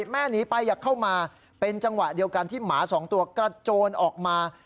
แม่หนีไปอย่าเข้ามาเป็นจังหวะเดียวกันที่หมา๒ตัวกระโจนออกมา